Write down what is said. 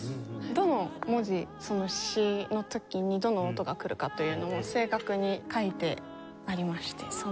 どの文字詞の時にどの音がくるかというのも正確に書いてありまして。